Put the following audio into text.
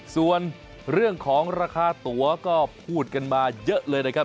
ส่วนเรื่องของราคาตั๋วก็พูดกันมาเยอะเลยนะครับ